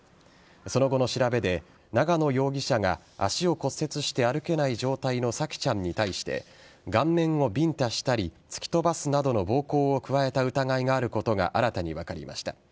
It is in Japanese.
その後の調べで、長野容疑者が足を骨折して歩けない状態の沙季ちゃんに対して顔面をビンタしたり突き飛ばすなどの暴行を加えた疑いがあることが新たに分かりました。